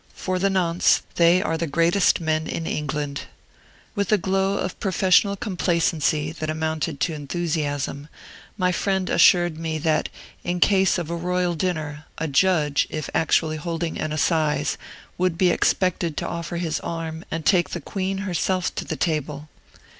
For the nonce, they are the greatest men in England. With a glow of professional complacency that amounted to enthusiasm, my friend assured me, that, in case of a royal dinner, a judge, if actually holding an assize, would be expected to offer his arm and take the Queen herself to the table.